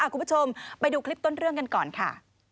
คุณผู้ชมไปดูคลิปต้นเรื่องกันก่อนค่ะ